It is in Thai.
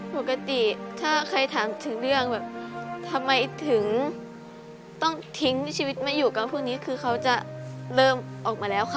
ปกติถ้าใครถามถึงเรื่องแบบทำไมถึงต้องทิ้งชีวิตไม่อยู่กันพวกนี้คือเขาจะเริ่มออกมาแล้วค่ะ